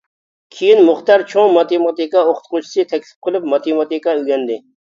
كېيىن مۇختەر چوڭ ماتېماتىكا ئوقۇتقۇچىسى تەكلىپ قىلىپ ماتېماتىكا ئۆگەندى.